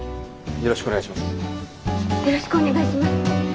よろしくお願いします。